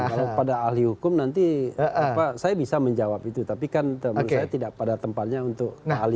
kalau pada ahli hukum nanti saya bisa menjawab itu tapi kan menurut saya tidak pada tempatnya untuk ahli